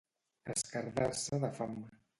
Esquerdar-se de fam.